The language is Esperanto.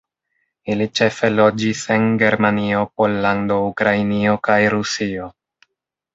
Ili ĉefe loĝis en Germanio, Pollando, Ukrainio kaj Rusio.